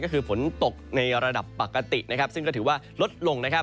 ก็คือฝนตกในระดับปกติซึ่งก็ถือว่าลดลง